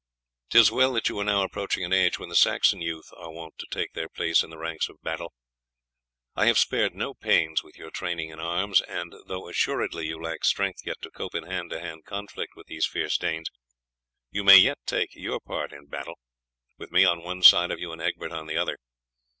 'Tis well that you are now approaching an age when the Saxon youth are wont to take their place in the ranks of battle. I have spared no pains with your training in arms, and though assuredly you lack strength yet to cope in hand to hand conflict with these fierce Danes, you may yet take your part in battle, with me on one side of you and Egbert on the other.